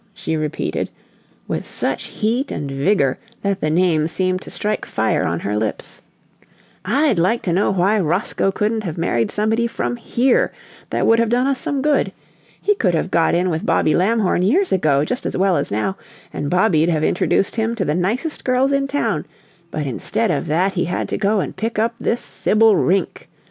she repeated, with such heat and vigor that the name seemed to strike fire on her lips. "I'd like to know why Roscoe couldn't have married somebody from HERE that would have done us some good! He could have got in with Bobby Lamhorn years ago just as well as now, and Bobby'd have introduced him to the nicest girls in town, but instead of that he had to go and pick up this Sibyl Rink!